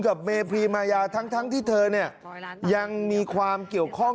กับเมพรีมายาทั้งที่เธอเนี่ยยังมีความเกี่ยวข้อง